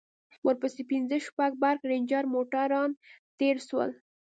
ورپسې پنځه شپږ برگ رېنجر موټران تېر سول.